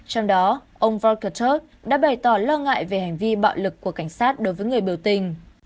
trong đó ông voicalterg đã bày tỏ lo ngại về hành vi bạo lực của cảnh sát đối với người biểu tình